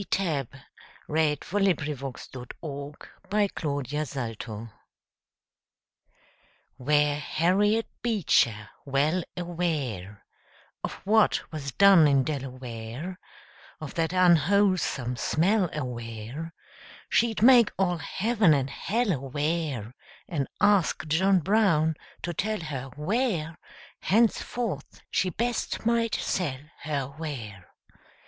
TABB Were Harriet Beecher well aware Of what was done in Delaware, Of that unwholesome smell aware, She'd make all heaven and hell aware, And ask John Brown to tell her where Henceforth she best might sell her ware.